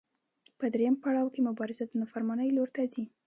په درېیم پړاو کې مبارزه د نافرمانۍ لور ته ځي.